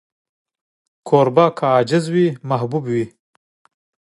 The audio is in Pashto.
کوربه که عاجز وي، محبوب وي.